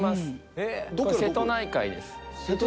瀬戸内海です